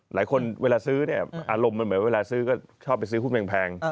หลายคนเวลาซื้ออารมณ์เหมือนเวลาซื้อก็ชอบไปซื้อหุ้นแพง